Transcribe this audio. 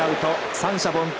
三者凡退。